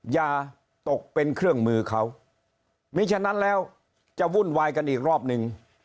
อย่าตกเป็นเครื่องมือเขามีฉะนั้นแล้วจะวุ่นวายกันอีกรอบนึง